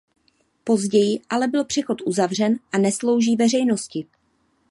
Později ale byl přechod uzavřen a neslouží veřejnosti.